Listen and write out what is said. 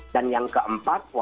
dan yang keempat